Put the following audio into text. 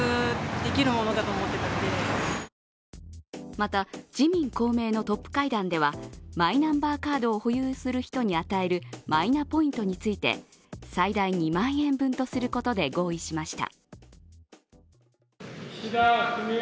また、自民・公明のトップ会談ではマイナンバーカードを保有する人に与えるマイナポイントについて最大２万円分とすることで合意しました。